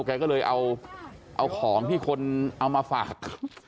แกก็เลยเอาของที่คนเอามาฝาก